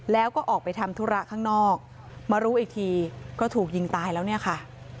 แล้วก็ออกไปทำธุระข้างนอกมารู้อีกทีก็ถูกยิงตายแล้วเนี่ยค่ะ